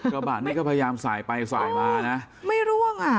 กระบะนี้ก็พยายามสายไปสายมานะไม่ร่วงอ่ะ